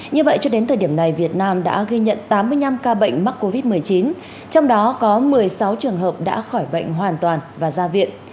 như vậy cho đến thời điểm này việt nam đã ghi nhận tám mươi năm ca bệnh mắc covid một mươi chín trong đó có một mươi sáu trường hợp đã khỏi bệnh hoàn toàn và ra viện